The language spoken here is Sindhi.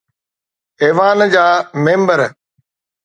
ايوان جا ميمبر